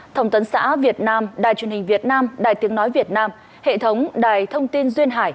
thông tấn xã việt nam đài truyền hình việt nam đài tiếng nói việt nam hệ thống đài thông tin duyên hải